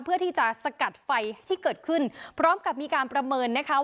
เพื่อที่จะสกัดไฟที่เกิดขึ้นพร้อมกับมีการประเมินนะคะ